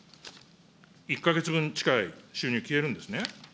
１か月分近い収入消えるんですね。